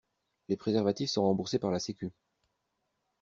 Les préservatifs sont remboursés par la sécu.